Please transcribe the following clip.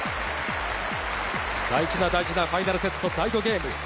大事な大事なファイナルセット、第５ゲーム。